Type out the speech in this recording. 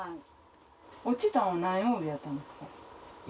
落ちたの何曜日やったんですか？